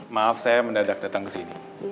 maaf saya mendadak datang ke sini